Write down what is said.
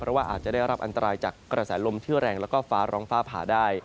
เพราะว่าอาจจะได้รับอันตรายจากกระแสลมที่แรงแล้วก็ฟ้าร้องฟ้าผ่าได้